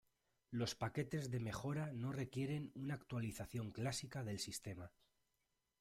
Los paquetes de mejora no requieren una actualización clásica del sistema.